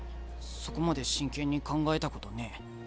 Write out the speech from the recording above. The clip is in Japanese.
そこまで真剣に考えたことねえ。